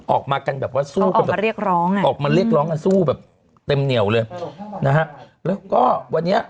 ออกมาเรียกร้องออกมาเรียกร้องแบบสู้แบบเต็มเหนียวเลยนะฮะเราก็วัน